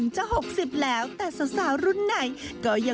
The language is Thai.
จ๊ะแจ๊ะริมจ๋อ